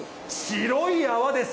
白い泡です。